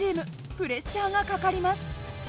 プレッシャーがかかります。